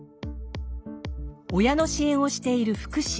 親の支援をしている福祉。